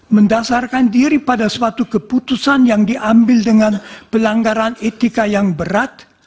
mendasarkan diri pada suatu keputusan yang diambil dengan pelanggaran etika yang berat